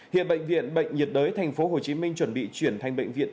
hiện bệnh viện bệnh nhiệt đới tp hcm chuẩn bị chuyển thành bệnh viện